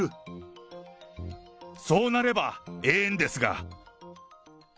そーなれば、ええんですが！